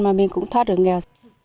mà mình cũng thoát được nghèo